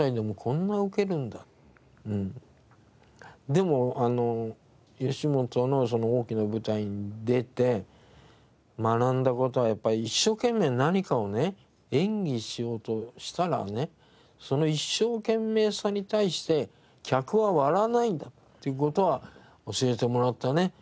でも吉本のその大きな舞台に出て学んだ事はやっぱり一生懸命何かをね演技しようとしたらねその一生懸命さに対して客は笑わないんだっていう事は教えてもらったね。